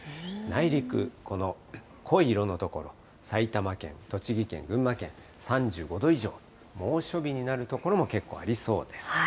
内陸、この濃い色の所、埼玉県、栃木県、群馬県３５度以上、猛暑日になる所も結構ありそうです。